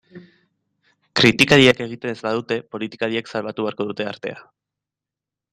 Kritikariek egiten ez badute, politikariek salbatu beharko dute artea.